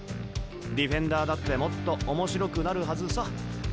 ディフェンダーだってもっと面白くなるはずさ。